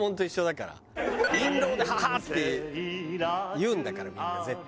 印籠で「ははあ」って言うんだからみんな絶対。